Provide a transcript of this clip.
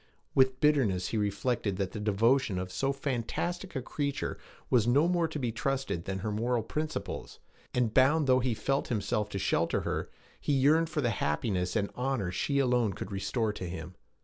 With bitterness he reflected that the devotion of so fantastic a creature was no more to be trusted than her moral principles; and bound though he felt himself to shelter her, he yearned for the happiness and honor she alone could restore to him.